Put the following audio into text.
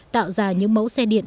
tạo ra những mẫu xe điện